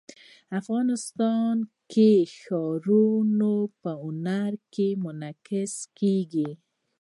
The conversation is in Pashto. افغانستان کې ښارونه په هنر کې منعکس کېږي.